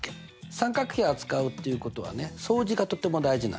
三角比を扱うということは相似がとても大事なんです。